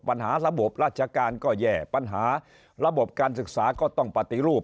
ปัญหาระบบราชการก็แย่ปัญหาระบบการศึกษาก็ต้องปฏิรูป